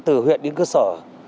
từ huyện đến cơ sở